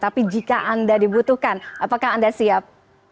tapi jika anda dibutuhkan apakah anda siap